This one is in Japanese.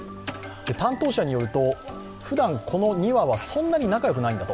担当者によると、ふだん、この２羽はそんなに仲良くないんだと。